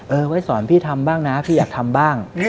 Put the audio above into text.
ไว้สอนพี่ทำบ้างนะพี่อยากทำบ้าง